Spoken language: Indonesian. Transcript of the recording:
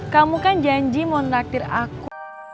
kamu kan janji mau naktir aku